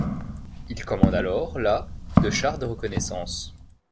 Il commande alors la de chars de reconnaissance.